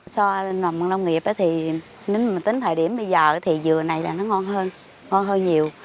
so với nông nghiệp thì nếu mình tính thời điểm bây giờ thì dừa này là nó ngon hơn ngon hơn nhiều